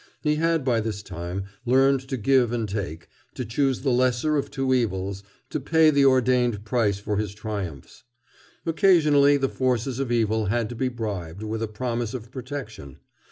He had by this time learned to give and take, to choose the lesser of two evils, to pay the ordained price for his triumphs. Occasionally the forces of evil had to be bribed with a promise of protection.